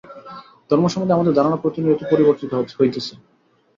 ধর্ম সম্বন্ধে আমাদের ধারণা প্রতিনিয়ত পরিবর্তিত হইতেছে।